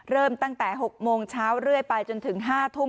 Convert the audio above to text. เริ่มตั้งแต่๖โมงเช้าเรื่อยไปจนถึง๕ทุ่ม